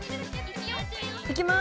いきます！